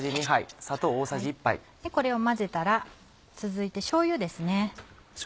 これを混ぜたら続いてしょうゆです。